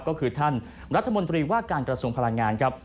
ก็คือท่านรัฐมนตรีว่าการกระทรวงพลังงานครับ